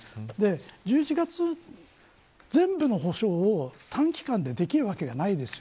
１１月、全部の補償を短期間でできるわけがないですよ。